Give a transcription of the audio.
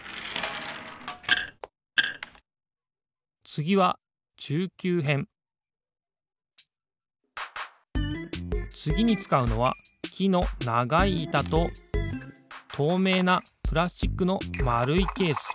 つぎはつぎにつかうのはきのながいいたととうめいなプラスチックのまるいケース。